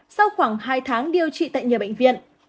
sau khoảng hai tháng điều trị tại nhiều bệnh viện